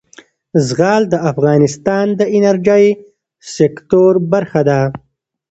زغال د افغانستان د انرژۍ سکتور برخه ده.